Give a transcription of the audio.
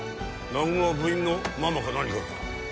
南雲は部員のママか何かか？